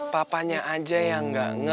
papanya aja yang gak nge